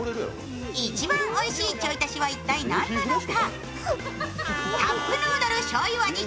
一番おいしいちょいたしは一体、何なのか？